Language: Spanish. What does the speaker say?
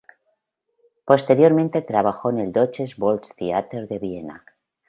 Posteriormente trabajó en el Deutsches Volkstheater de Viena.